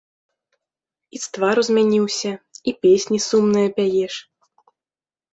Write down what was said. І з твару змяніўся, і песні сумныя пяеш.